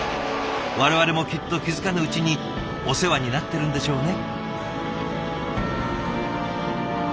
我々もきっと気付かぬうちにお世話になってるんでしょうね。